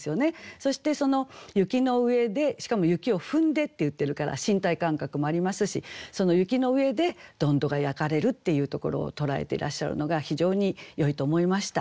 そしてその雪の上でしかも「雪を踏んで」って言ってるから身体感覚もありますしその雪の上でどんどが焼かれるっていうところを捉えていらっしゃるのが非常によいと思いました。